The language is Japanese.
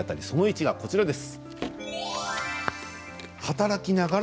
その１がこちらです。